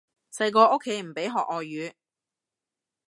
細個屋企唔俾學外語